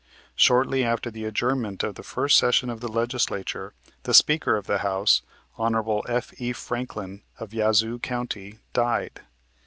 Shortly after the adjournment of the first session of the Legislature, the Speaker of the House, Hon. F.E. Franklin, of Yazoo County, died.